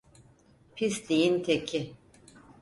Pisliğin teki.